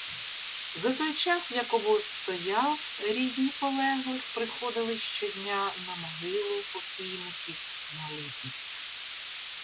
За той час, як обоз стояв, рідні полеглих приходили щодня на могилу покійників молитися.